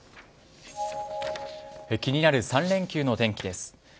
気になる３連休の天気です。